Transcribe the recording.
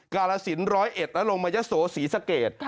กาลสินร้อยเอ็ดแล้วลงมายะโสศรีสะเกด